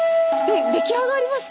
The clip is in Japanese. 出来上がりました？